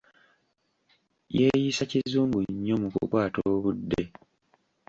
Yeeyisa kizungu nnyo mu kukwata obudde.